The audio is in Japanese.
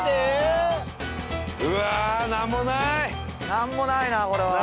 なんもないなこれは。